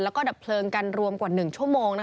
แล้วก็ดับเพลิงกันรวมกว่า๑ชั่วโมง